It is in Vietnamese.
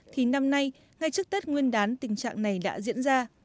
thì năm nay ngay trước tết nguyên đán tình trạng này đã diễn ra